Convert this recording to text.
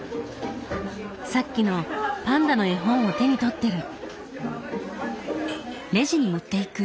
さっきのパンダの絵本を手に取ってる！